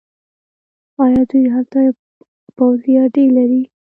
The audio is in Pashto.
آیا دوی هلته پوځي اډې نلري؟